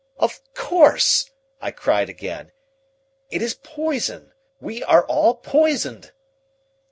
"Of course," I cried again. "It is poison. We are all poisoned."